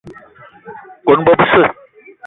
Kone bo besse